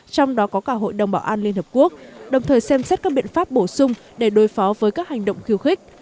trong đó có cả hội đồng bảo an liên hợp quốc đồng thời xem xét các biện pháp bổ sung để đối phó với các hành động khiêu khích